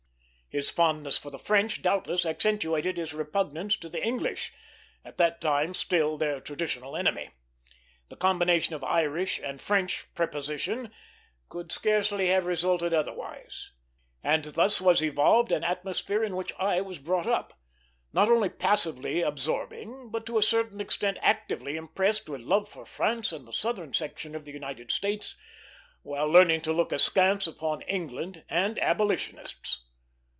His fondness for the French doubtless accentuated his repugnance to the English, at that time still their traditional enemy. The combination of Irish and French prepossession could scarcely have resulted otherwise; and thus was evolved an atmosphere in which I was brought up, not only passively absorbing, but to a certain degree actively impressed with love for France and the Southern section of the United States, while learning to look askance upon England and abolitionists.